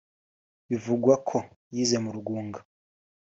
bivugwa ko yize mu Rugunga